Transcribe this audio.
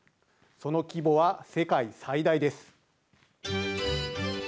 その規模は、世界最大です。